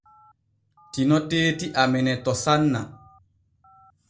Tino teeti amene to sanna.